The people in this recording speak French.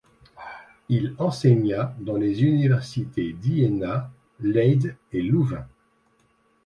Il enseigna dans les universités d’Iéna, Leyde et Louvain.